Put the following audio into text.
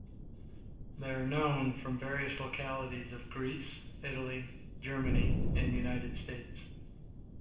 They are known from various localities of Greece, Italy, Germany and United States.